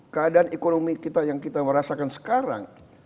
keadaan ekonomi kita yang kita merasakan sekarang